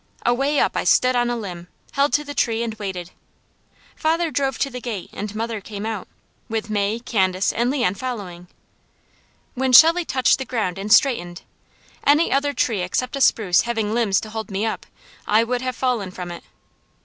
Away up I stood on a limb, held to the tree and waited. Father drove to the gate, and mother came out, with May, Candace, and Leon following. When Shelley touched the ground and straightened, any other tree except a spruce having limbs to hold me up, I would have fallen from it.